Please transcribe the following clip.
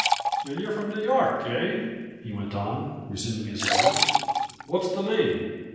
"And you're from New York, eh?" he went on, resuming his labors. "What's the name?"